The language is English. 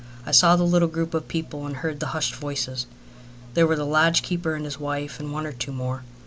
I saw the little group of people and heard the hushed voices. There were the lodge keeper and his wife, and one or two more.